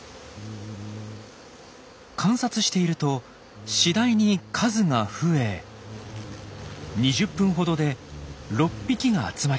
観察していると次第に数が増え２０分ほどで６匹が集まりました。